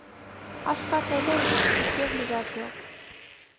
Աշխատել է ուսուցիչ և լրագրող։